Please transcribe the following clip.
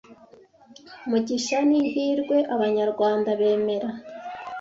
m u gis h a n’ihirwe Abanyarwanda bemera